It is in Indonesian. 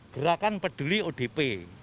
gerakan peduli odp